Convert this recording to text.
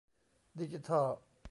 ดิจิทัล